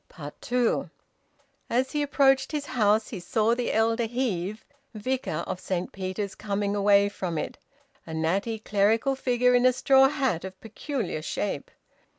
TWO. As he approached his house, he saw the elder Heve, vicar of Saint Peter's, coming away from it, a natty clerical figure in a straw hat of peculiar shape.